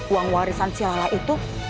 uang warisan si lala itu